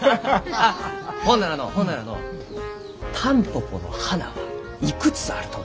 あっほんならのうほんならのうタンポポの花はいくつあると思う？